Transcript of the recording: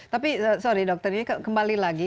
tapi sorry dokternya kembali lagi